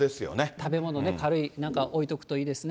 食べ物ね、軽い、なんか置いておくといいですね。